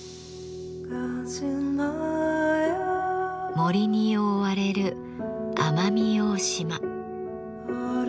森に覆われる奄美大島。